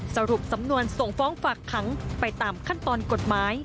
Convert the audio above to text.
สรุปสำนวนส่งฟ้องฝากขังไปตามขั้นตอนกฎหมาย